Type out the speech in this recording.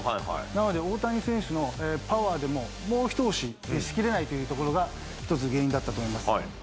なので大谷選手のパワーでも、もう一押し押しきれないというところが１つ原因だったと思います。